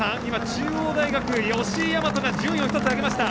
中央大学の吉居大和が順位を１つ上げました。